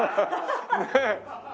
ねえ。